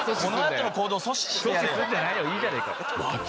阻止すんじゃないよいいじゃねえか。